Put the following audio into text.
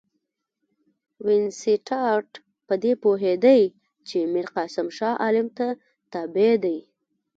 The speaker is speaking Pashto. وینسیټارټ په دې پوهېدی چې میرقاسم شاه عالم ته تابع دی.